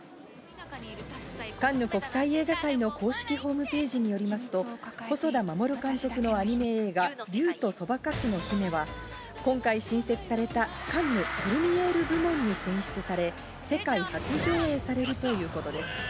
カンヌ国際映画祭の公式ホームページによりますと、細田守監督のアニメ映画『竜とそばかすの姫』は今回新設されたカンヌ・プルミエール部門に選出され、世界初上映されるということです。